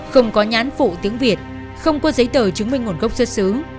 không có nhãn phụ tiếng việt không có giấy tờ chứng minh nguồn gốc xuất xứ